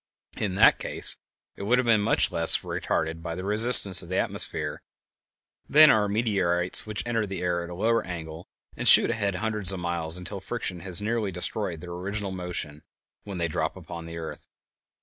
In that case it would have been less retarded by the resistance of the atmosphere than are meteorites which enter the air at a lower angle and shoot ahead hundreds of miles until friction has nearly destroyed their original motion when they drop upon the earth.